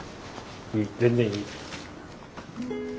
全然いい。